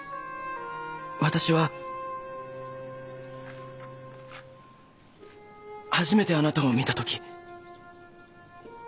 私は初めてあなたを見た時。